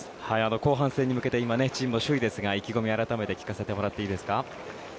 後半戦に向けてチームは今首位ですが意気込みを聞かせてもらっていいですか。